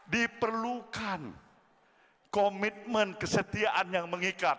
diperlukan komitmen kesetiaan yang mengikat